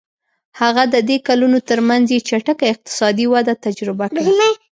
هغه د دې کلونو ترمنځ یې چټکه اقتصادي وده تجربه کړه.